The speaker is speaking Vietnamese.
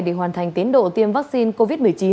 để hoàn thành tiến độ tiêm vaccine covid một mươi chín